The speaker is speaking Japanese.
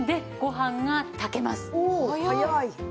早い！